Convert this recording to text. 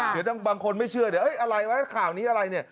เดี๋ยวบางคนไม่เชื่อเดี๋ยวอะไรวะข่าวนี้อะไรเนี่ย